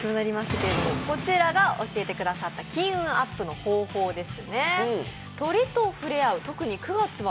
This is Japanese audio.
こちらが教えてくださった金運アップの方法です。